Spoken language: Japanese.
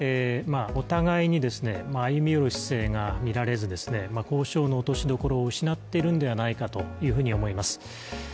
お互いに歩み寄る姿勢がみられず交渉の落としどころを失っているのではないかと思います。